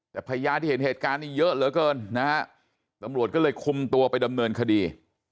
แต่พยานที่เห็นเหตุการณ์นี้เยอะเหลือเกินนะฮะตำรวจก็เลยคุมตัวไปดำเนินคดี